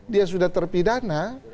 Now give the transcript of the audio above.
dia sudah terpidana